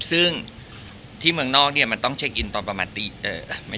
ซึ่งที่เมืองนอกเนี่ยมันต้องเช็คอินตอนประมาณตีเออไม่ใช่บ่าย๒